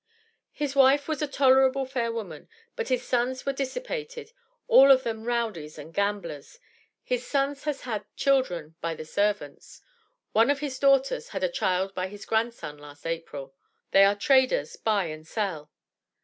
"His wife was a tolerable fair woman, but his sons were dissipated, all of them rowdies and gamblers. His sons has had children by the servants. One of his daughters had a child by his grandson last April. They are traders, buy and sell."